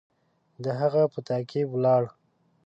د هغه په تعقیب ولاړ.